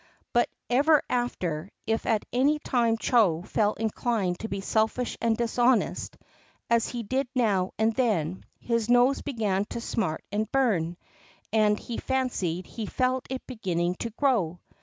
But ever after, if at any time Chô felt inclined to be selfish and dishonest, as he did now and then, his nose began to smart and burn, and he fancied he felt it beginning to grow.